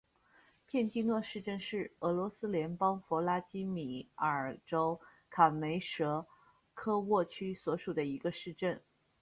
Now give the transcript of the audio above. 片基诺市镇是俄罗斯联邦弗拉基米尔州卡梅什科沃区所属的一个市镇。